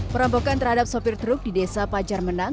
perampokan terhadap sopir truk di desa pajar menang